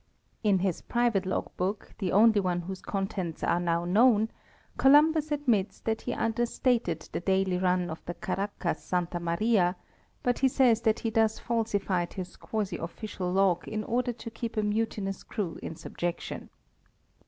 In his private log book, the only one whose contents are now known, Columbus admits that he understated the daily run of the caracca Santa Maria, but he says that he thus falsified his quasi official log in order to keep a mutinous crew in subjection.